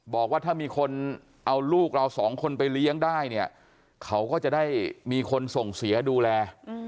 บอกว่าถ้ามีคนเอาลูกเราสองคนไปเลี้ยงได้เนี่ยเขาก็จะได้มีคนส่งเสียดูแล